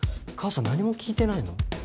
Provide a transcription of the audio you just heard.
母さん何も聞いてないの？